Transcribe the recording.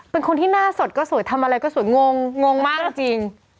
เป็นคนที่หน้าสดก็สวยทำอะไรก็สวยงงงมากจริง